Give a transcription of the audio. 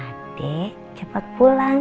supaya adik cepet pulang